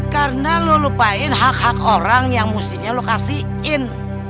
karena lu lupain hak hak orang yang mustinya lu kasihin